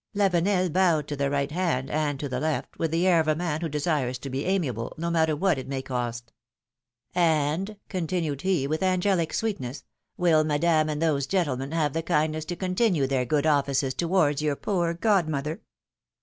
^^ Lavenel bowed to the right, hand and to the left, with the air of a man who desires to be amiable, no matter what it may cost. ^^And,^^ continued he, with angelic sweetness, ^^will Madame and these gentlemen have the kindness to con tinue their good offices towards your poor godmother?"